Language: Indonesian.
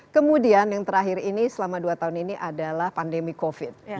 kemudian yang terakhir ini selama dua tahun ini adalah pandemi covid